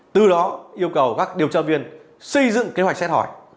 từ đó yêu cầu các điều tra viên xây dựng kế hoạch xét hỏi